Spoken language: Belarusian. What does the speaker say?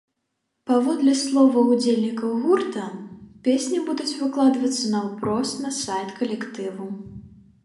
Паводле словаў удзельнікаў гурта, песні будуць выкладацца наўпрост на сайт калектыву.